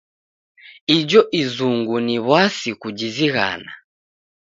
Ijo izungu ni w'asi kujizighana.